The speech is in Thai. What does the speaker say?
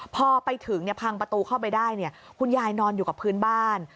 พอไปถึงพังประตูเข้าไปได้คุณยายนอนอยู่กับพื้นบ้าน